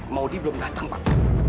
maudie belum datang pak